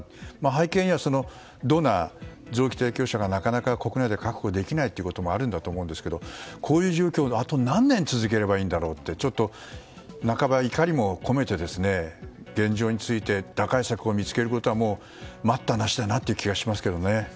背景にはドナー、臓器提供者がなかなか国内で確保できないということもあるんだと思いますがこういう状況があと何年続ければいいんだろうとちょっと、半ば怒りも込めて現状について打開策を見つけることは待ったなしだなという気がします。